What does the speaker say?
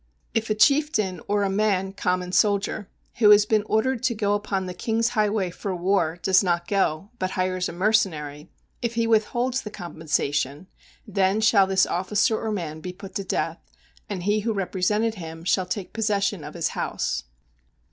If a chieftain or a man [common soldier], who has been ordered to go upon the king's highway [for war] does not go, but hires a mercenary, if he withholds the compensation, then shall this officer or man be put to death, and he who represented him shall take possession of his house.